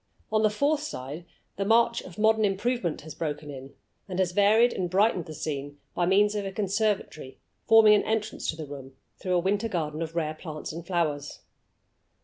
On the fourth side the march of modern improvement has broken in, and has va ried and brightened the scene by means of a conservatory, forming an entrance to the room through a winter garden of rare plants and flowers.